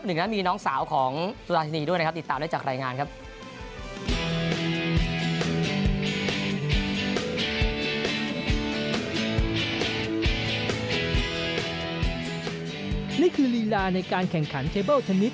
หนึ่งนั้นมีน้องสาวของสุราชินีด้วยนะครับติดตามได้จากรายงานครับ